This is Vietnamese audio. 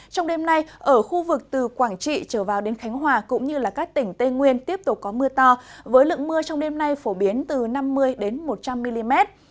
trong đêm nay ở khu vực từ quảng trị trở vào đến khánh hòa cũng như các tỉnh tây nguyên tiếp tục có mưa to với lượng mưa trong đêm nay phổ biến từ năm mươi một trăm linh mm